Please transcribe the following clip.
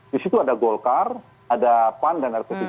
di situ ada golkar ada pan dan rp tiga